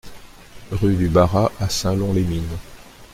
Rue du Barrat à Saint-Lon-les-Mines